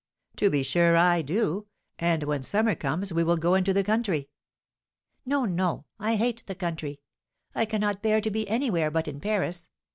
"To be sure I do; and when summer comes we will go into the country." "No, no, I hate the country! I cannot bear to be anywhere but in Paris.